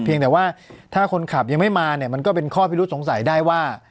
เพียงแต่ว่าถ้าคนขับยังไม่มาเนี่ยมันก็เป็นข้อพิรุษสงสัยได้ว่า